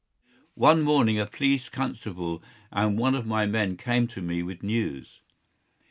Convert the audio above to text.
One morning a police constable and one of my men came to me with news.